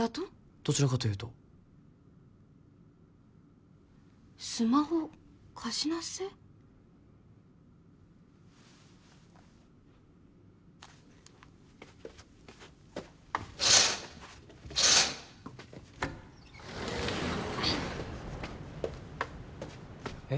どちらかというとスマホ貸しなっせえっ？